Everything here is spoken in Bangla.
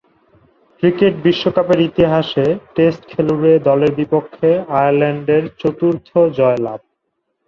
ক্রিকেট বিশ্বকাপের ইতিহাসে টেস্টখেলুড়ে দলের বিপক্ষে আয়ারল্যান্ডের চতুর্থ জয়লাভ।